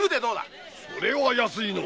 それは安いのう。